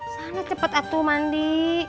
sangat cepat atul mandi